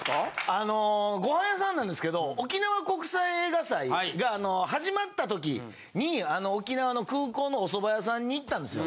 あのご飯屋さんなんですけど沖縄国際映画祭があの始まったときにあの沖縄の空港のお蕎麦屋さんに行ったんですよ。